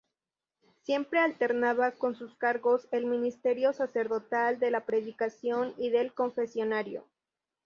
Siempre alternaba con sus cargos el ministerio sacerdotal de la predicación y del confesionario.